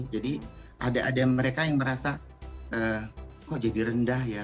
jadi ada ada mereka yang merasa kok jadi rendah ya